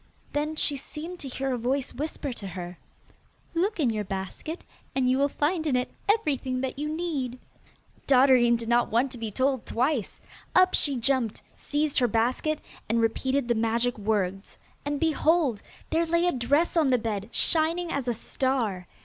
Then she seemed to hear a voice whisper to her, 'Look in your basket, and you will find in it everything that you need.' Dotterine did not want to be told twice! Up she jumped, seized her basket, and repeated the magic words, and behold! there lay a dress on the bed, shining as a star.